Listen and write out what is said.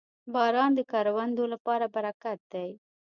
• باران د کروندو لپاره برکت دی.